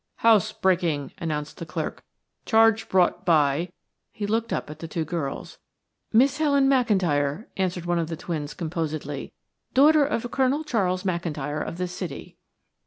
"House breaking," announced the clerk. "Charge brought by " He looked up at the two girls. "Miss Helen McIntyre," answered one of the twins composedly. "Daughter of Colonel Charles McIntyre of this city."